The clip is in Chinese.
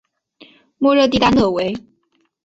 莫热地区讷维。